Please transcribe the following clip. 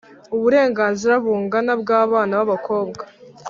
uburenganzira bungana bw’abana b’abakobwa: